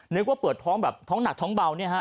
นึกว่าเปิดท้องแบบท้องหนักท้องเบา